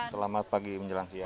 selamat pagi menjelang siang